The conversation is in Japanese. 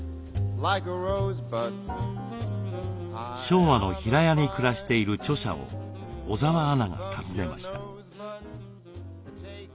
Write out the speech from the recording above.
昭和の平屋に暮らしている著者を小澤アナが訪ねました。